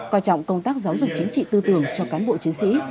coi trọng công tác giáo dục chính trị tư tưởng cho cán bộ chiến sĩ